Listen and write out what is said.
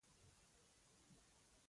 زه د فلم ټریلر وینم.